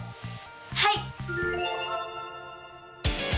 はい！